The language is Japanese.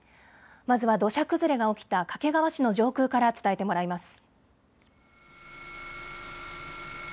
まずは土砂崩れが起きた掛川市の上空から伝えてもらいます。